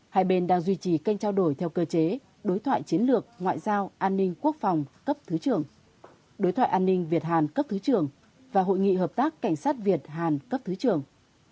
hai bên đang duy trì kênh trao đổi theo cơ chế đối thoại chiến lược ngoại giao an ninh quốc phòng cấp thứ trưởng đối thoại an ninh việt hàn cấp thứ trưởng và hội nghị hợp tác cảnh sát việt hàn cấp thứ trưởng